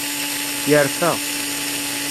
Yerfa.